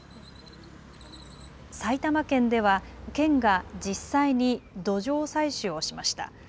埼玉県では、県が実際に土壌採取をしました。